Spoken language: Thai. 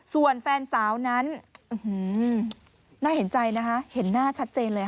ส่วนแฟนสาวนั้นน่าเห็นใจนะคะเห็นหน้าชัดเจนเลย